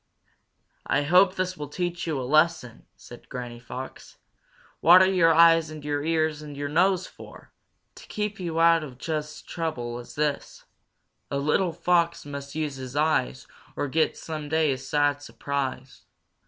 "I hope this will teach you a lesson!" said Granny Fox. "What are your eyes and your ears and your nose for? To keep you out of just such trouble as this. "A little Fox must use his eyes Or get someday a sad surprise.